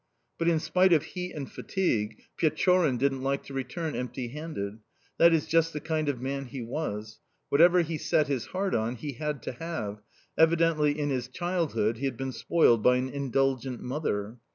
"But, in spite of heat and fatigue, Pechorin didn't like to return empty handed... That is just the kind of man he was; whatever he set his heart on he had to have evidently, in his childhood, he had been spoiled by an indulgent mother.